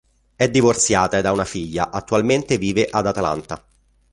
È divorziata ed ha una figlia, attualmente vive ad Atlanta.